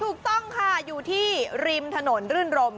ถูกต้องค่ะอยู่ที่ริมถนนรื่นรม